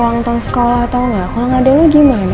ulang tahun sekolah tau nggak kalau nggak ada lo gimana